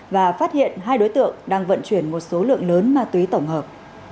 và phát hiện hai đối tượng đang vận chuyển một số lượng lớn ma túy tổng hợp